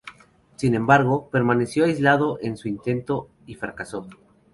Sin embargo, permaneció aislado en su intento y fracasó.